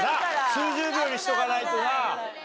数十秒にしとかないとな。